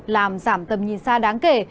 làm giảm tâm nhìn xa đáng kể